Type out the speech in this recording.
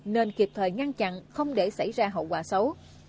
một thời ngăn chặn không để xảy ra hậu quả xấu